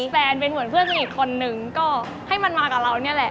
แฟนเป็นเหมือนเพื่อนสนิทคนนึงก็ให้มันมากับเรานี่แหละ